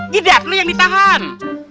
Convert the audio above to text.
gidak lu yang ditahan